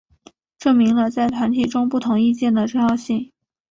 证明了在团体中不同意见的重要性。